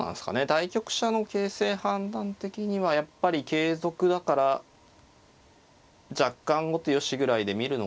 対局者の形勢判断的にはやっぱり桂得だから若干後手よしぐらいで見るのかなあ。